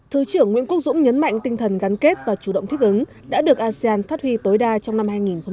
thứ trưởng nguyễn quốc dũng nhấn mạnh tinh thần gắn kết và chủ động thích ứng đã được asean phát huy tối đa trong năm hai nghìn hai mươi